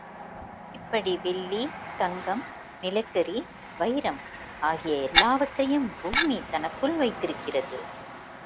இப்படி வெள்ளி, தங்கம், நிலக்கரி, வைரம் ஆகிய எல்லாவற்றையும் பூமி தனக்குள் வைத்திருக்கிறது.